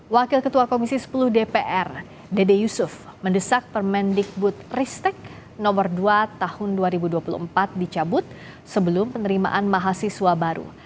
wakil ketua komisi sepuluh dpr dede yusuf mendesak permendikbud ristek no dua tahun dua ribu dua puluh empat dicabut sebelum penerimaan mahasiswa baru